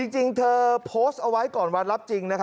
จริงเธอโพสต์เอาไว้ก่อนวันรับจริง